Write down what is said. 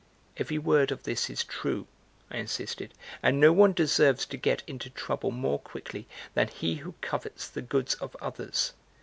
"Every word of this is true," I insisted, "and no one deserves to get into trouble more quickly than he who covets the goods of others!